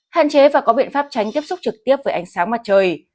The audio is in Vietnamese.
hạn chế và có biện pháp tránh tiếp xúc trực tiếp với ánh sáng mặt trời